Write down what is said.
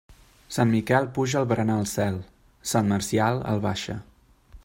Sant Miquel puja el berenar al cel; sant Marcial el baixa.